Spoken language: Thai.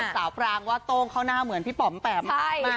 สาวพรางว่าต้งเขาหน้าเหมือนพี่ปำแปมใช่